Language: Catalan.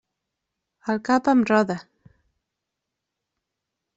El cap em roda.